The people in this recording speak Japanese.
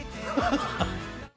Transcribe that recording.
ハハハハ。